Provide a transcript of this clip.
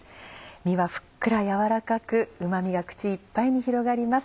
身はふっくらやわらかくうま味が口いっぱいに広がります。